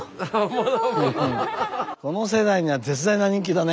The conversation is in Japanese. この世代には絶大な人気だね。